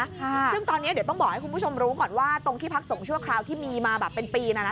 ซึ่งตอนเนี้ยเดี๋ยวต้องบอกให้คุณผู้ชมรู้ก่อนว่าตรงที่พักส่งชั่วคราวที่มีมาแบบเป็นปีน่ะนะ